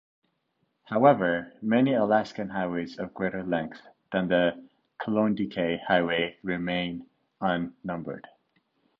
However, many Alaskan highways of greater length than the Klondike Highway remain unnumbered.